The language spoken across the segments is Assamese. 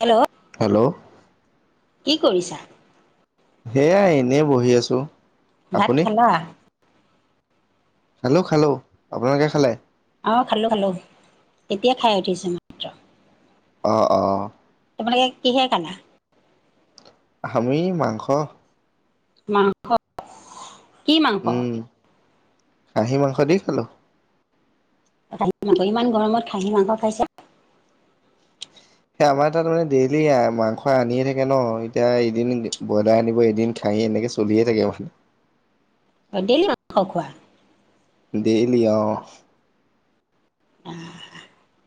হেল্ল'! হেল্ল'! কি কৰিছা? এইয়া এনেই বহি আছোঁ। ভাত আপুনি খালা? খালোঁ, খালোঁ। আপোনালোকে খালে? অ', খালোঁ, খালোঁ। এতিয়া খাই উঠিছোঁ আমি। অ', অ'। তোমালোকে কিহে খালা? আমি মাংস। মাংস। কি মাংস? উম খাহী মাংস দি খালোঁ। খাঁহী মাংস! ইমান গৰমত খাহী মাংস খাইছে! এই আমাৰ তাত মানে ডেইলি মাংস আনিয়ে থাকে ন'! এতিয়া এদিন ব্ৰইলাৰ আনিব, এদিন খাহী এনেকে চলি চলিয়ে থাকে মানে। ডেইলি মাংস খোৱা? ডেইলি অ'।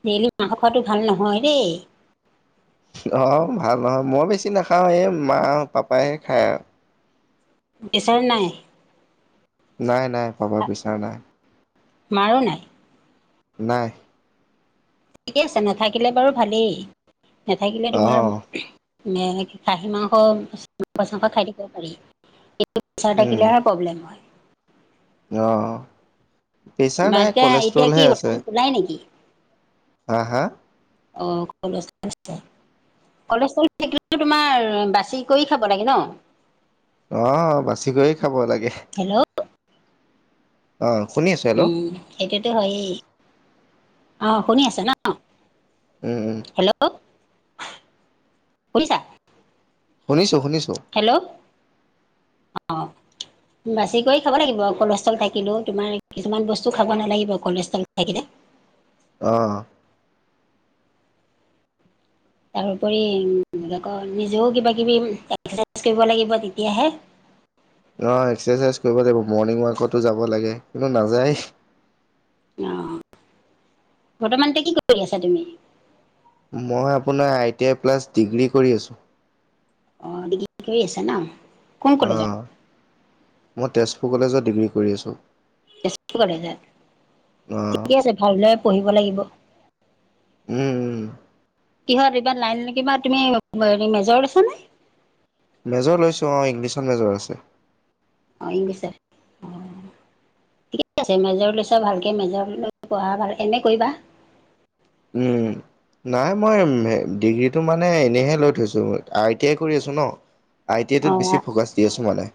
ডেইলি মাংস খোৱাটো ভাল নহয় দেই। অ', ভাল নহয়। মই বেছি নাখাওঁ এই মা আও পাপাই খায় আৰু। পেছাৰ নাই? নাই, নাই পাপা পেছাৰ নাই। মাৰো নাই? নাই। ঠিকে আছে, নাথাকিলে বাৰু ভালেই। নাথাকিলে তোমাৰ অঁ এ, খাহী মাংসা, চাংস খাই দিব পাৰি। কিন্তু প্ৰেচাৰ থাকিলে প্ৰব্লেম হয়। অ', প্ৰেছাৰ নাই। কলেষ্ট্ৰলহে আছে। শুলাই নেকি? হা, হা অ', [unintelligible] কলেষ্ট্ৰল থাকিলেটো তোমাৰ বাচি কৰি খাব লাগে ন'! অ', বাচি কৰি খাব লাগে। হেল্ল'! অ', শুনি আছোঁ। উম, সেইটোতো হয়য়ে। অ', শুনি আছে ন'! উম, উম। হেল্ল'! শুনিছা? শুনিছোঁ, শুনিছোঁ। হেল্ল'! অ'। বাছি কৰি খাব লাগিব কলেষ্ট্ৰল থাকিলেও তোমাৰ কিছুমান বস্তু খাব নালাগিব কলেষ্ট্ৰল থাকিলে। অ'। তাৰোপৰি আকৌ নিজেও কিবাকিবি এক্সেচাইজ কৰিব লাগিব তেতিয়াহে। অ', এক্সেচাইজ কৰিব লাগিব, মৰ্ণিং ৱাকতো যাব লাগে কিন্তু নাযায়। অ', বৰ্তমান এতিয়া কি কৰি আছা তুমি? মই আপোনাৰ I T I plus degree কৰি আছোঁ। অ', ডিগ্ৰী কৰি আছা ন? কোন কলেজত? অ', মই তেজপুৰ কলেজত ডিগ্ৰী কৰি আছোঁ। তেজপুৰ কলেজত অ', ঠিকে আছে, ভালদৰে পঢ়িব লাগিব। উম, উম। কিহত এইবাৰ লাইন কিবা তুমি [unintelligible] মেজৰ লৈছানে? মেজৰ লৈছোঁ অ', ইংলিছত মেজৰ আছে। অ', ইংলিছত অ'। ঠিকেই আছে, মেজৰ লৈছা ভালকে মেজৰ লৈ পঢ়া ভাল এম এ কৰিবা। উম। নাই মই ডিগ্ৰীটো মানে এনেইহে লৈ থৈছোঁ, আই টি আই কৰি আছোঁ ন'। আই টি আই টোত বেছি অ', ফকাচ দি আছোঁ মানে।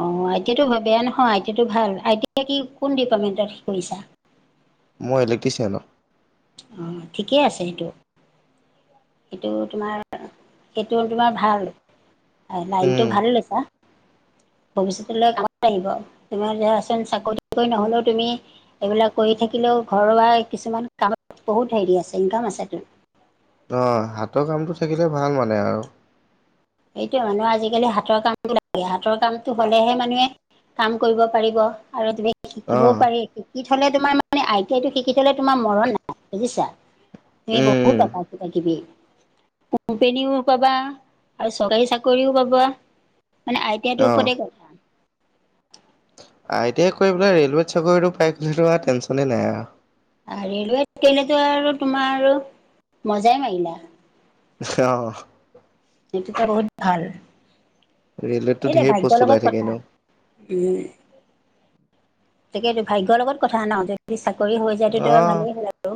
অ', আই টি আইটো বেয়া নহয়, আই টি আইটো ভাল, আই টি কি কোন ডিপাৰ্টমেণ্টত কৰিছা? মই ইলেক্ট্ৰিচিয়ানত। অ', ঠিকেই আছে সেইটো। সেইটো তোমাৰ, সেইটো তোমাৰ ভাল অ', লাইনটো উম। ভাল লৈছা। ভৱিষ্যতলৈ কামত আহিব, তোমাৰ ধৰাচোন চাকৰি তাকৰি নহ'লেও তুমি এইবিলাক কৰি থাকিলেও ঘৰুৱা কিছুমান কামত বহুত হেৰি আছে ইনকাম আছেতো। অ', হাতৰ কামটো থাকিলে ভাল মানে আৰু। সেইটোয়ে মানুহৰ আজিকালি হাতৰ কাম [inaudible] লাগে হাতৰ কামটো হ'লেহে মানুহে কাম কৰিব পাৰিব আৰু তুমি শিকিবও অ', পাৰি শিকি থ'লে তোমাৰ মানে আই টি আইটো শিকি থ'লে তোমাৰ মৰণ নাই বুজিছা। মি উম, উম, বহুত [unintelligible] কিবা কিবি, কম্পেনীয়ো‌ পাবা। আৰু চৰকাৰী চাকৰিও পাবা, মানে আই টি আই টোৰ অ'। ওপৰতে আই টি আই কৰি পেলাই ৰেলৱেত চাকৰিটো পাই গ'লেটো আৰু টেনচনেই নাই আৰু। আ ৰেলৱেত কৰিলেতো আৰু তোমাৰ আৰু মজাই মাৰিলা। অ'। সেইটোতো বহুত ভাল ৰেলৱেততো এই যে, ঢেৰ প'ষ্ট ভাগ্যৰ ওলাই লগত থাকে কথা এনেও উম। তাকেতো ভাগ্যৰ লগত কথা ন' যদি চাকৰি হৈ যায় তেতিয়া অ' ভালেই হ'ল আৰু।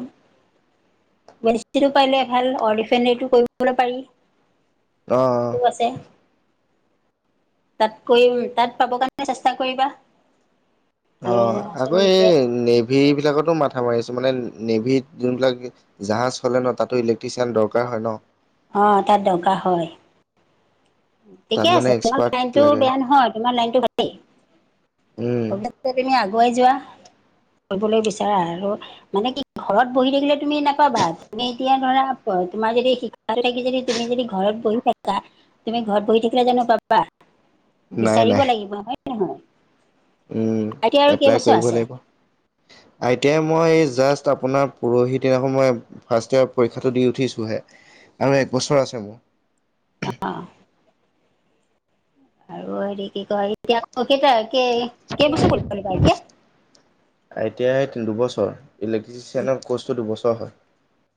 ৱেলইন্সটিটিউট পাৰিলে ভাল, অইলৰিফেনেৰিটো কৰিবলৈ পাৰি। অ' [inaudible] আছে। তাত কৰিম তাত পাব কাৰণে চেষ্টা কৰিবা। আৰু অ', ধৰাচোন আকৌ এতিয়া এই নেভি বিলাকতো মাথা মাৰিছোঁ মানে নেভিত যোনবিলাক জাহাজ হ'লে ন' তাতো ইলেক্ট্ৰিচিয়ান দৰকাৰ হয়, ন? অ', তাত দৰকাৰ হয়। তাত ঠিকে মানে আছে তোমাৰ এক্সপাৰ্ট লাইনটো লাগে বেয়া নহয়, তোমাৰ লাইনটো ভালেই। উম তুমি আগুৱাই যোৱা, কৰিবলৈ বিচৰা আৰু মানে কি ঘৰত বহি থাকিলে তুমি নাপাবা তুমি এতিয়া ধৰা প তোমাৰ যদি শিক্ষা থাকি যদি তুমি যদি ঘৰত বহি থাকা তুমি ঘৰত বহি থাকিলে জানোঁ পাবা? নাই বিচাৰিব নাই লাগিব হয় নে নহয় উম, এতিয়া আৰু এপ্লাই কেইবছৰ কৰিব আছে লাগিব। আই টি আই মই এই জাষ্ট আপোনাৰ পৰহি দিনাখন মই ফাৰ্ষ্ট ইয়াৰ পৰীক্ষাটো দি উঠিছোঁহে আৰু এক বছৰ আছে মোৰ। অহ আৰু হেৰি কি কয়, এতিয়া কেইটা কেইবছৰ পঢ়িব লাগিব I T I I T I দুবছৰ, ইলেক্ট্ৰিচিয়ানৰ কৰ্চটো দুবছৰ হয়।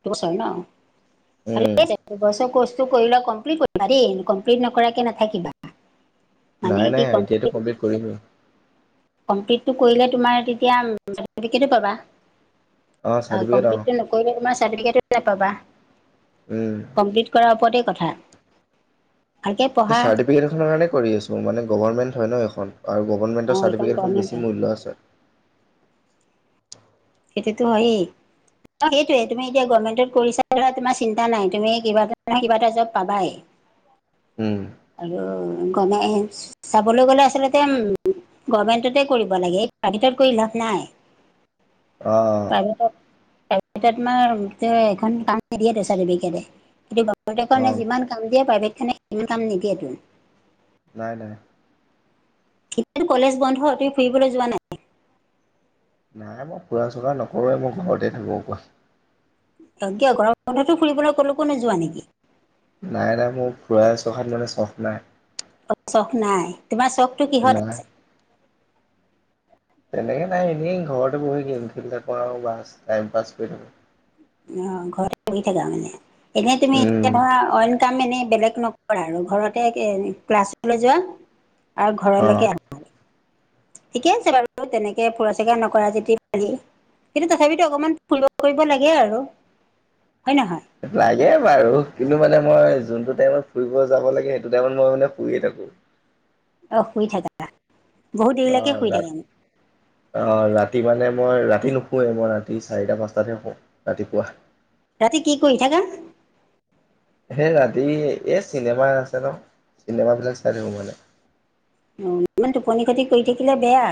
দুবছৰ হৈ নহ উম, [unintelligible] দুবছৰ কৰ্চটো কৰি লোৱা কমপ্লিট কৰিবা দেই, কমপ্লিট নকৰাকে নাথাকিবা। মানে নাই কি নাই, আই টি আইটো কমপ্লিট কৰিলোৱেই। কমপ্লিতটো কৰিলে তোমাৰ তেতিয়া চাৰ্টিফিকেতটো পাবা। অ চাৰ্টিফিকেট অ কমপ্লিতটো নকৰিলে তোমাৰ চাৰ্টিফিকেট নাপাবা, উম। কমপ্লিতটো কৰাৰ ওপৰতেই কথা, ভালকে সেই পঢ়া চাৰ্টিফিকেট খনৰ কাৰণে কৰি আছোঁ মানে গভাৰ্ণমেণ্ট হৈ নহ সেইখন আৰু অ গভাৰ্ণমেণ্ট এইখন চাৰ্টিফিকেটখন গভৰ্ণমেণ্ট বেছি গুৰুত্ব আছে। সেইটোতো হয়েই। অ সেইটোৱে তুমি এতিয়া গভমেণ্টত কৰিছা ধৰা তোমাৰ চিন্তা নাই, তুমি কিবা এটা নহয় কিবা এটা জব পাবাই। [inaudible] উম আহ‌ গণেশ, চাবলৈ গলে আচলতে উম গভমেণ্টতে কৰিব লাগে, এই প্ৰাইভেটত কৰি লাভ নাই। অহ প্ৰাইভেটত তোমাৰ এহ‌ এখন কাম নিদিয়েটো চাৰ্টিফিকেটে সেইটো অ কাৰণে যিমান কাম দিয়ে প্ৰাইভেটখনে সিমান কাম নিদিয়ে। নাই নাই। কিন্তু কলেজ বন্ধ, তুমি ফুৰিবলৈ যোৱা নাই? নাই মই ফুৰা চুৰা নকৰোঁৱেই মই ঘৰতে থাকোঁ। কোৱা অ কিয় গৰম বন্ধতো ফুৰিবলৈ কলৈকো নোযোৱা নেকি? নাই নাই মোৰ ফুৰা চখাত মানে চখ নাই। চখ নাই, তোমাৰ চখটো কিহত নাই। আছে? তেনেকৈ নাই এনেই ঘৰতে বহি গেম খেলি থাকোঁ আৰু বাছ টাইম পাছ কৰি থাকোঁ। অ ঘৰতে বহি থাকা মানে, এনে তুমি এতিয়া উম, ধৰা অইল কাম এনেই বেলেগ নকৰা আৰু ঘৰতে ক্লাছলৈ যোৱা আৰু অ। ঘৰলৈকে আহা ঠিকে আছে বাৰু তেনেকে ফুৰা চিকা নকৰা যদি আজি কালি কিন্তু তথাপিতো অকমান ফুৰিব কৰিব লাগে আৰু হয় নহয় লাগে বাৰু কিন্তু মানে মই যোনটো টাইমত ফুৰিব যাব লাগে সেইটো টাইমত মই মানে ফুৰিয়ে থাকোঁ। অহ শুই থাকা। বহুত দেৰিলৈকে অহ শুই থাকা [unintelligible] অহ ৰাতি মানে মই ৰাতি নোশুৱেই মই ৰাতি চাৰিটা পাঁচটাতহে শুও ৰাতিপুৱা। ৰাতি কি কৰি থাকা? সেই ৰাতি, এহ চিনেমা আছে নহ। চিনেমা বিলাক চাই থাকোঁ মানে। অ ইমান টোপনি খতি কৰি থাকিলে বেয়া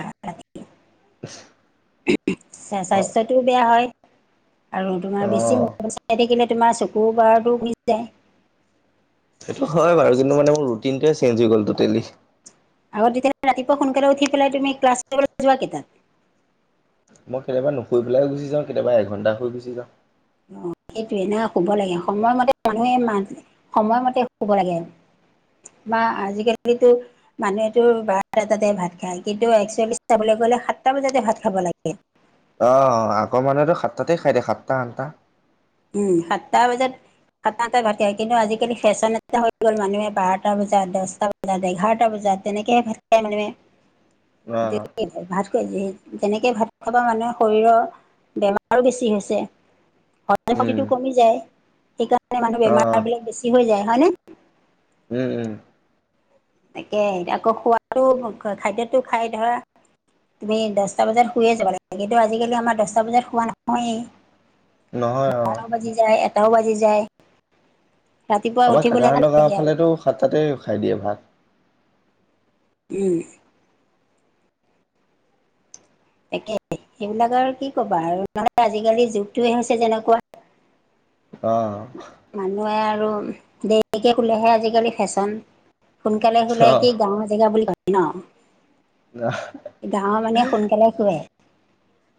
হয় স্বাস্থ্যটোও বেয়া হয়। আৰু তোমাৰ অ বেছি মোবাইল চাই থাকিলে তোমাৰ চকুৰ পাৱাৰটো গুচি যায়। সেইটো হয় বাৰু কিন্তু মানে মোৰ ৰুটিনটোৱে চেঞ্জ হৈ গ'ল তোটেলী আকৌ তেতিয়াহলে ৰাতিপুৱা সোনকালে উঠি পেলাই তুমি ক্লাছ কৰিবলৈ যোৱা কেইটাত? মই কেতিয়াবা নোশুই পেলাই গুচি যাওঁ, কেতিয়াবা এঘণ্টা শুই গুচি যাওঁ। অহ সেইটোৱে না শুব লাগে। সময়মতে মানুহে মাজ সময়মতে শুব লাগে। বা আজিকালিতো মানুহেটো বাৰটাতে ভাত খায়, কিন্তু একচুৱেলি চাবলৈ গলে সাতটা বজাতে ভাত খাব লাগে। অ' আগৰ মানুহেতো সাতটাতে খাই দিয়ে সাতটা আঠটা। উম, সাতটা বজাত। সাতটা আঠটাত ভাট খায় কিন্তু আজিকালি ফেশ্বন এটা হৈ গ'ল মানুহে বাৰটা বজাত দহটা বজাত, ইয়াত এঘাৰটা বজাত তেনেকে হে ভাত খায় মানুহে। অ ভাত খোৱা যেনেকৈ ভাত খোৱাৰ পৰা মানুহৰ শৰীৰৰ বেমাৰো বেছি হৈছে। দেহ উম শক্তটো কমি যায়, সেইকাৰণে মানুহ অ বেমাৰ বিলাক বেছি হৈ যায় হয় নে? উম উম। তাকে আকৌ খোৱাদ টো খাদ্যয়তো খাই ধৰা। তুমি দহটা বজাত শুয়ে যাব লাগে, কিন্তু আজিকালি আমাৰ দহটা বজাত শুৱা নহয়েই। নহয় অ বাৰটাও বাজি যায়, এটাও বাজি যায়। ৰাতিপুৱা আমাক উঠিবলৈ এলাহ কাকাহঁতৰ গাঁও লাগে আৰু ফালেতো সাত তাতে খাই দিয়ে ভাত। উম। তাকে সেইবিলাক আৰু কি কবা আৰু নহলে আজিকালি যুগতয়ে হৈছে যেনেকুৱা। অঁ। মানুহে আৰু দেৰিকে দেৰিকে শুলেহে আজিকালি ফেশ্বন। সোনকালে শুলে অ কি গাঁৱৰ জেগা বুলি ভাবে ন। গাঁৱৰ মানে সোনকালে শুয়ে।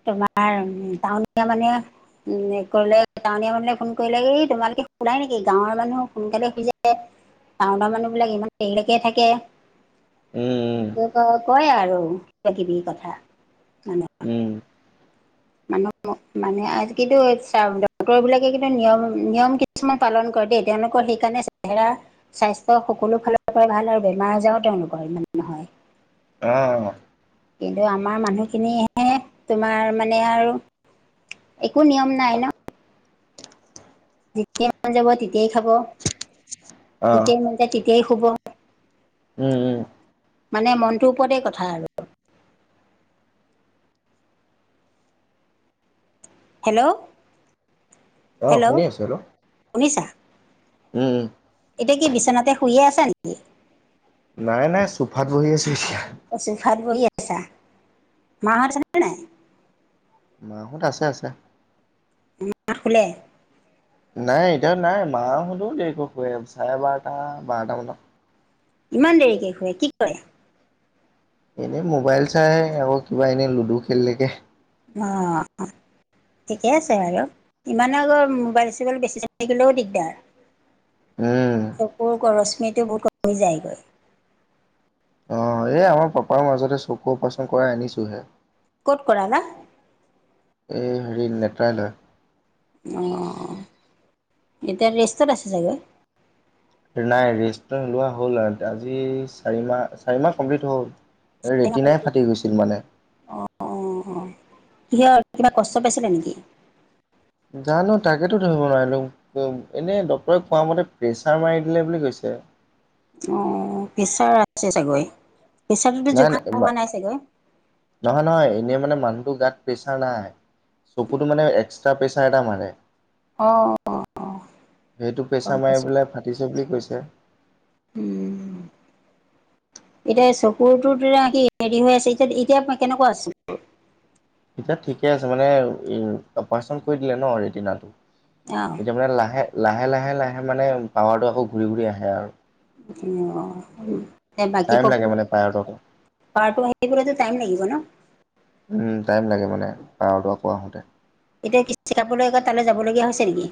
তোমাৰ উম, টাউনীয়া মানে উ কৰিলে টাউনীয়া মানে ফোন কৰিলে, ই তোমালোকে শুলাই নেকি গাঁৱৰ মানুহ সোনকালে শুই যায়। টাউনৰৰ মানুহ বিলাক ইমান দেৰিলৈকে থাকে। উম। উম মোক আৰু কয় আৰু কিবা- কিবি কথা। উম। মানুহক মোক মানে আ কিন্তু ডক্তৰ বিলাকে কিন্তু নিয়ম নিয়ম, কিছুমান পালন কৰে দেই, তেওঁলোকৰ সেইকাৰণে চেহেৰা। স্বাস্থ্য সকলো ফালৰ পৰা ভাল হয় বেমাৰ আজাৰও তেওঁলোকৰ ইমানে নহয়। অঁ। কিন্তু আমাৰ মানুহখিনিহে তোমাৰ মানে আৰু। একো নিয়ম নাই ন। যেতিয়াই মন যাব তেতিয়াই খাব, অ অ যেতিয়াই মন যায় তেতিয়াই শুব। উম উম। মানে মনটোৰ ওপৰতে কথা আৰু। হেল্ল' অহ হেল্ল' শুনি আছো শুনিছা? উম উম। এতিয়া কি বিচনাতে শুইয়ে আছা নেকি? নাই-নাই, চোফাত বহি আছো এতিয়া। অ', চোফাত বহি আছা, মাহঁত আছে নে- মাহঁত আছে- আছে। মা হত শুলে। নাই এতিয়া নাই, মা হতেও দেৰিকে শুৱে, চাৰে বাৰটা বাৰটামানত। ইমান দেৰিকে শুৱে, কি কৰে। এনেই মোবাইল চাই কিবা আকৌ এনেই লুডু খেলি থাকে। অ'। ঠিকে আছে বাৰু, ইমানো আকৌ মোবাইল চোবাইল বেছি চাই থাকিলেও দিগদাৰ। উম চকুৰ ৰশ্মিটো বহুত কমি যায়গৈ। অ' এই আমাৰ পাপাৰ মাজতে চকু অপাৰেশ্যন কৰাই আনিছোঁ হে। ক'ত কৰালা? এই হেৰি নেট্ৰালয়। অ' এতিয়া ৰেষ্টত আছে চাগে। নাই ৰেষ্টু লোৱা হ'ল আৰু আজি চাৰিমাহ চাৰিমাহ কমপ্লিট হ'ল। এই ৰেতিনাই ফাটি গৈছিল মানে। অহ' কিহৰ কিবা কষ্ট পাইছিলে নেকি? জানোঁ তাকেতো ধৰিব নোৱাৰিলোঁ। এনে ডক্তৰে কোৱা মতে প্ৰেছাৰ মাৰি দিলে বুলি কৈছে। অ' প্ৰেছাৰ আছে চাগৈ প্ৰেছাৰতো নাই জোখা হোৱা মা- নাই চাগৈ। নহয়, নহয় এনেই মানে মানুহটোৰ গাত প্ৰেচাৰ নাই, চকুতো মানে এক্স টাৰ প্ৰেছাৰ এটা মাৰে, অ সেইটো গম প্ৰেছাৰ মাৰি পাইছো পেলাই ফা টিছে বুলি কৈছে। উম। এতিয়া চকুৰটোত কি হেৰি হৈ আছে, এতিয়া এতিয়া কেনেকুৱা আছে। এতিয়া ঠিকে আছে মানে অপাৰেচন কৰি দিলে ন ৰেদিনাত। অ'। এতিয়া মানে লাহে লাহে লাহে লাহে মানে পাৱাৰটো আকৌ ঘূৰি ঘূৰি আহে আৰু উম, এই বাকী টাইম লাগে প্ৰব্লেম মানে পাৱাৰটো আকৌ পাৱাৰটো আহিবলে যে টাইম লাগিব ন। উম, টাইম লাগে মানে, পাৱাৰটো আকৌ আহোঁতে। এতিয়া কি চেকাপলৈ আকৌ তালৈ যাবলগীয়া হৈছে নেকি?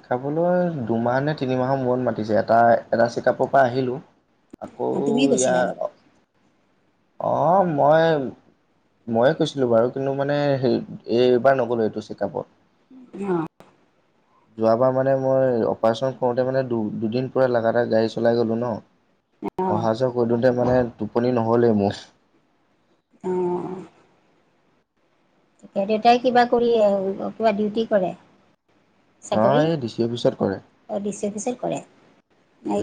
চেকাপলৈ দুমাহ নে তিনিমাহৰ মূৰত মাতিছে, এটা এটা চেকাপৰ পৰা আহিলোঁ। আকৌ তুমি গৈছিলা লগত ইয়াৰ অ' মই মইয়ে গৈছিলোঁ বাৰু, কিন্তু মানে সেই এই এইবাৰ নগলোঁ এইটো চেকআপত। অ' যোৱাবাৰ মানে মই অপাৰেচন কৰোঁতে মানে দু দুদিন পোৰা লাগাতাৰ গাড়ী চলাই গলোঁ ন। অ অহা যোৱা কৰি দিওঁতে মানে টোপনি নহ'লেই মোৰ। অ এই দেউতাই কিবা কৰি কিবা ডিউটি কৰে। অ' চাকৰি এই দি চি অফিছত কৰে। অ' ডি চি অফিচত কৰে,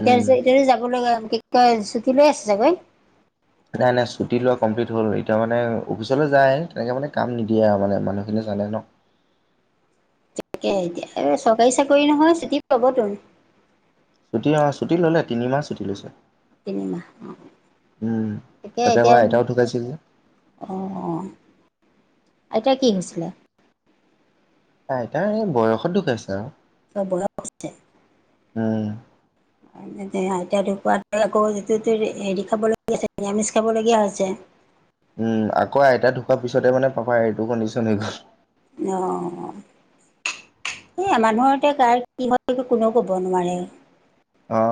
উম, এতিয়াটো যাব লগা চুতি লৈ আছে চাগৈ। নাই নাই ছুটি লোৱা কমপ্লিট হ'ল, এতিয়া মানে অফিচলৈ যায়। তেনেকে মানে কাম নিদিয়ে আৰু মানে মানুহখিনিয়ে জানে ন। তাকেহে এতিয়া, এই চৰকাৰী চাকৰি নহয় চুটি পাব তোন। ছুটি ন ছুটি ল'লে তিনিমাহ ছুটি লৈছে। তিনিমাহ অ' উম, তাকে তাতে আকৌ এতিয়া আইতাও ঢুকাইছিল যে। অ' অ' আইতাৰ কি হৈছিলে? আইতাৰ এই বয়সত ঢুকাইছে আৰু অ'বয়স অস্থে উম। এতিয়া আইতা ঢুকুৱাৰ পৰা আকৌ যিটো হেৰি খাবলগীয়া হৈছে, নিৰামিষ খাবলগীয়া হৈছে। উম, আকৌ আইতা ঢুকুৱাৰ পিছতে মানে পাপা এইটো কণ্ডিশ্যন হৈ গ'ল। অ'। এ মানুহৰ এতিয়া কাৰ কি হয় এইটো কোনেও ক'ব নোৱাৰে। অ'